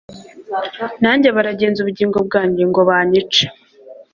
nanjye baragenza ubugingo bwanjye ngo banyice